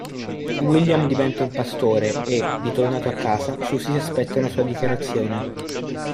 William diventa un pastore e, ritornato a casa, Susie si aspetta una sua dichiarazione.